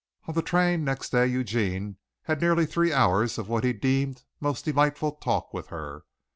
On the train next day Eugene had nearly three hours of what he deemed most delightful talk with her.